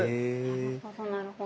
なるほどなるほど。